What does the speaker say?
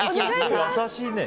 優しいね。